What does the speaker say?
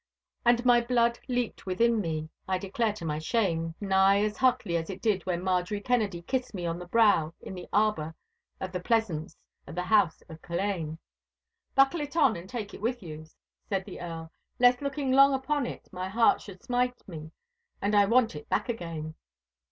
And my blood leaped within me—I declare to my shame, nigh as hotly as it did when Marjorie Kennedy kissed me on the brow in the arbour of the pleasaunce at the house of Culzean. 'Buckle it on, and take it with you,' said the Earl, 'lest looking long upon it my heart should smite me, and I want it back again.